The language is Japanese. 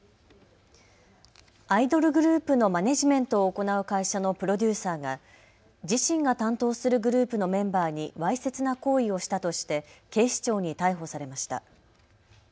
アイドルグループのマネージメントを行う会社のプロデューサーが自身が担当するグループのメンバーにわいせつな行為をしたとして警視庁に逮捕されました。